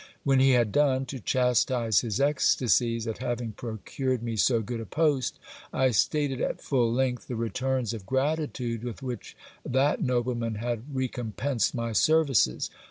When he had done, to chastise his ecstasies at having procured me so good a post, I stated at full length the re turns of gratitude with which that nobleman had recompensed my services.